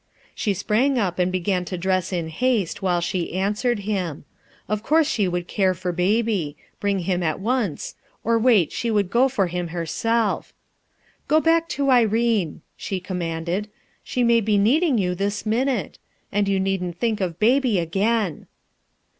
She sprang up and began to dress in haste, while she answered him. Of course she would care for Baby ; bring him at once ; or wait, she would go for him herself. "Go back to Irene/' she commanded. "She may be needing you this minute; and you needn't .think of Baby again."